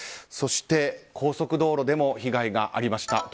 そして高速道路でも被害がありました。